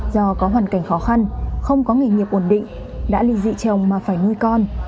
do có hoàn cảnh khó khăn không có nghề nghiệp ổn định đã lì dạ chồng mà phải nuôi con